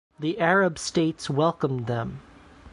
The Arab states welcomed them.